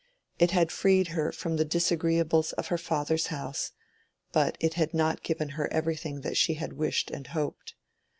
It had freed her from the disagreeables of her father's house, but it had not given her everything that she had wished and hoped.